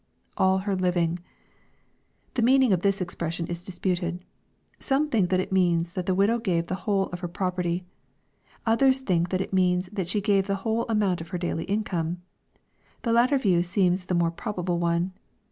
[AU her living^ The meaning of this expression is disputed. Some think that it means that the widow gave the whole of hei property Others think that it means that she gave the whole amount of her daily income. The latter view seems the more prob able one.